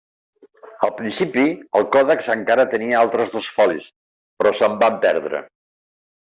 Al principi el còdex encara tenia altres dos folis, però se'n van perdre.